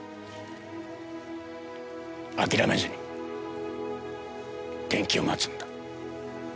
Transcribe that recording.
あきらめずに天気を待つんだ。